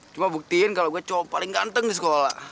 cuma buktiin kalau gue cowok paling ganteng di sekolah